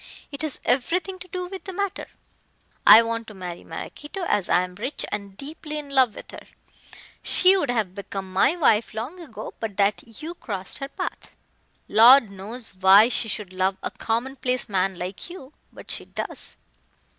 "It has everything to do with the matter. I want to marry Maraquito, as I am rich and deeply in love with her. She would have become my wife long ago but that you crossed her path. Lord knows why she should love a commonplace man like you, but she does."